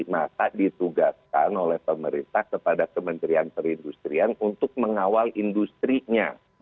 maka ditugaskan oleh pemerintah kepada kementerian perindustrian untuk mengawal industrinya